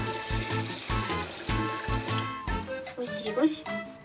ごしごし。